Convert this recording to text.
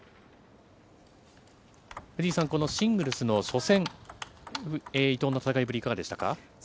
藤井さん、このシングルスの初戦、伊藤の戦いぶり、いかがでしたか。